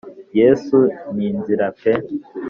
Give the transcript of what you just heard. yesu ni inzira pee